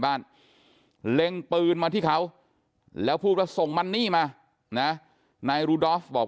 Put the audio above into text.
บ้านเล็งปืนมาที่เขาแล้วพูดว่าส่งมันนี่มานะนายรูดอฟบอก